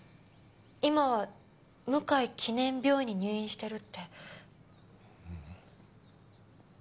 今は向井記念病院に入院してるって。